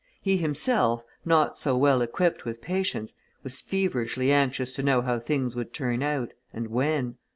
He himself, not so well equipped with patience, was feverishly anxious to know how things would turn out, and when.